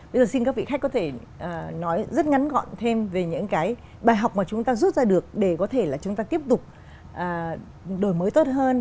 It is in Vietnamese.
bây giờ xin các vị khách có thể nói rất ngắn gọn thêm về những cái bài học mà chúng ta rút ra được để có thể là chúng ta tiếp tục đổi mới tốt hơn